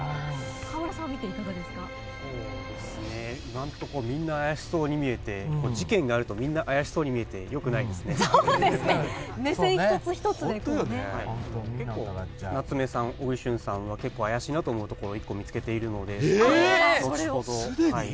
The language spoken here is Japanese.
そうですね、今のとこ、みんな怪しそうに見えて、事件があるとみんな怪しそうに見えてよそうですね、目線一つ一つで結構、夏目さん、小栗旬さんは結構怪しいなと思うところ、１個見つけているので、それを後すでに？